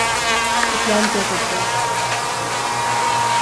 اسلم کیا کرتا ہے